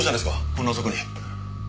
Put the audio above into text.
こんな遅くに。